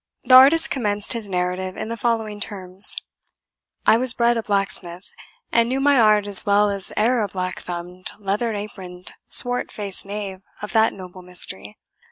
THE artist commenced his narrative in the following terms: "I was bred a blacksmith, and knew my art as well as e'er a black thumbed, leathern aproned, swart faced knave of that noble mystery.